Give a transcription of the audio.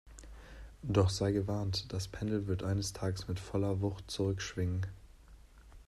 Doch sei gewarnt, das Pendel wird eines Tages mit voller Wucht zurückschwingen!